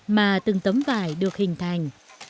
mà từng tấm vải được hình thành